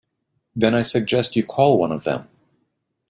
Then I suggest you call one of them.